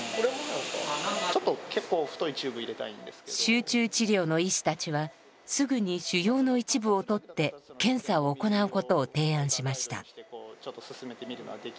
集中治療の医師たちはすぐに腫ようの一部をとって検査を行うことを提案しました。